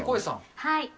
はい。